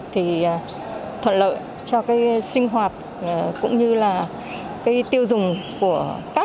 thì thuận lợi cho cái sinh hoạt cũng như là cái tiêu dùng của các